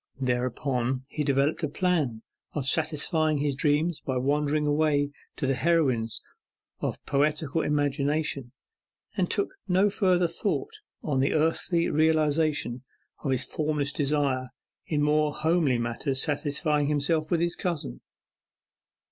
Thereupon, he developed a plan of satisfying his dreams by wandering away to the heroines of poetical imagination, and took no further thought on the earthly realization of his formless desire, in more homely matters satisfying himself with his cousin.